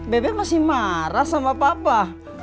bebek masih marah sama papa